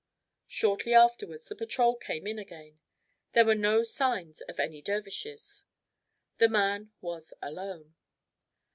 Shortly afterwards the patrol came in again. There were no signs of any dervishes. The man was alone.